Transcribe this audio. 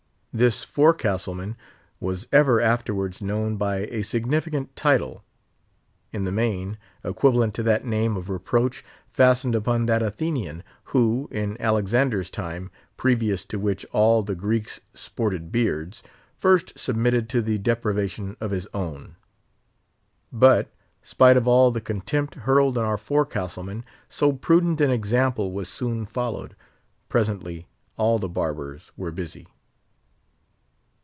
This forecastle man was ever afterwards known by a significant title—in the main equivalent to that name of reproach fastened upon that Athenian who, in Alexander's time, previous to which all the Greeks sported beards, first submitted to the deprivation of his own. But, spite of all the contempt hurled on our forecastle man, so prudent an example was soon followed; presently all the barbers were busy.